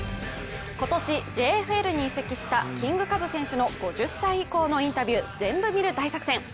今年ＪＦＬに移籍したキングカズ選手の５０歳以降のインタビュー、「ぜんぶ見る大作戦」